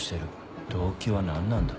動機は何なんだ？